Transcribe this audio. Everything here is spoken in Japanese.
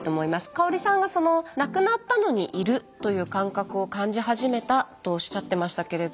香さんが亡くなったのにいるという感覚を感じ始めたとおっしゃってましたけれど。